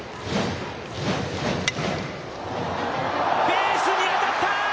ベースに当たった！